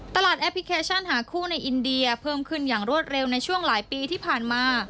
แอปพลิเคชันหาคู่ในอินเดียเพิ่มขึ้นอย่างรวดเร็วในช่วงหลายปีที่ผ่านมา